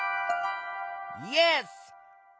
イエス！